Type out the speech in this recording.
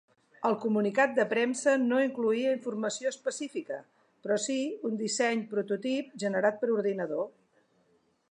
El comunicat de premsa no incloïa informació específica, però sí un disseny prototip generat per ordinador.